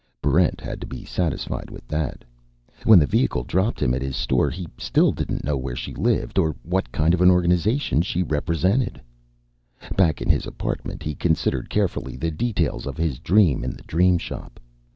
Barrent had to be satisfied with that. When the vehicle dropped him at his store, he still didn't know where she lived, or what kind of an organization she represented. Back in his apartment, he considered carefully the details of his dream in the Dream Shop.